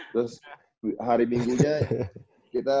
terus hari minggu nya kita